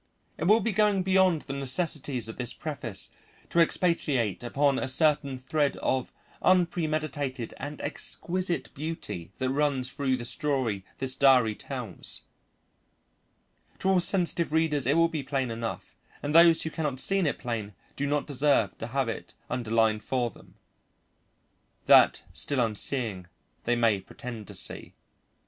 It will be going beyond the necessities of this preface to expatiate upon a certain thread of unpremeditated and exquisite beauty that runs through the story this diary tells. To all sensitive readers it will be plain enough, and those who cannot see it plain do not deserve to have it underlined for them, that, still unseeing, they may pretend to see.